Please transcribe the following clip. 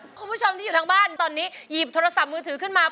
คุณผู้ชมที่อยู่ทางบ้านตอนนี้หยิบโทรศัพท์มือถือขึ้นมา